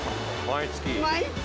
毎月？